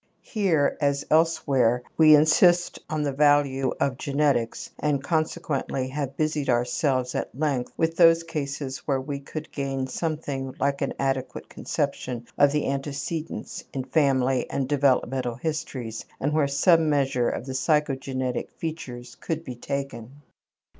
Here, as elsewhere, we insist on the value of genetics and consequently have busied ourselves at length with those cases where we could gain something like an adequate conception of the antecedents in family and developmental histories and where some measure of the psychogenetic features could be taken.